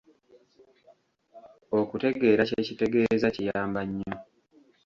Okutegeera kye kitegeeza kiyamba nnyo.